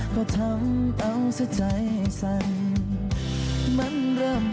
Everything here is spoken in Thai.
ขอหอมแก้มเจ้าหน้าได้บ่